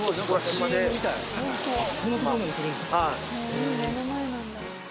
海目の前なんだ。